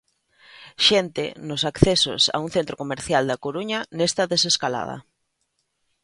Xente nos accesos a un centro comercial da Coruña nesta desescalada.